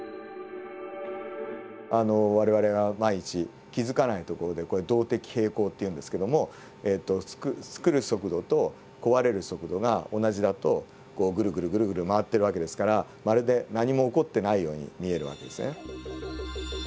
あの我々が毎日気付かないところでこれ動的平衡っていうんですけどもつくる速度と壊れる速度が同じだとぐるぐる回ってる訳ですからまるで何も起こってないように見える訳ですね。